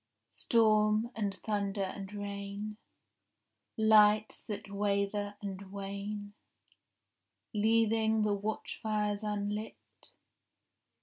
— Storm and thunder and rain, Lights that waver and wane, Leaving the watchfires unlit.